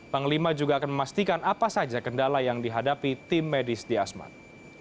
panglima juga akan memastikan apa saja kendala yang dihadapi tim medis di asmat